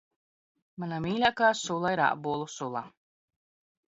Mana mīļākā sula ir ābolu sula.